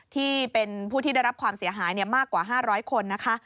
ที่เป็นผู้ที่ได้รับความเสียหายมากกว่า๕๐๐คนนะคะ